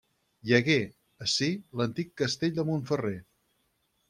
Hi hagué, ací, l'antic castell de Montferrer.